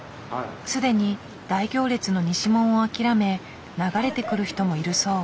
既に大行列の西門を諦め流れてくる人もいるそう。